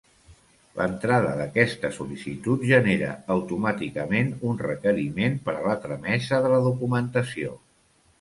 L'entrada d'aquesta sol·licitud genera automàticament un requeriment per a la tramesa de la documentació.